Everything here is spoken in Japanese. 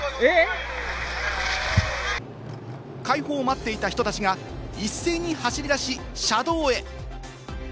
開放を待っていた人たちが一斉に走り出し、車道へ。